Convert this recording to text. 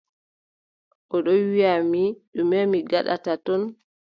O ɗo wiʼa mi, ɗume mi ngaɗata ton.